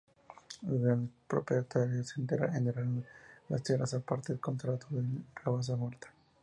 Los grandes propietarios arrendaron las tierras a partes, con contrato de "rabassa morta".